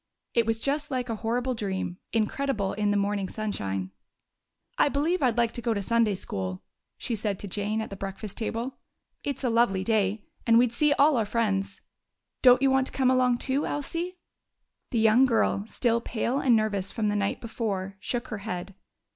It was just like a horrible dream, incredible in the morning sunshine. "I believe I'd like to go to Sunday school," she said to Jane at the breakfast table. "It's a lovely day, and we'd see all our friends. Don't you want to come along too, Elsie?" The young girl, still pale and nervous from the night before, shook her head.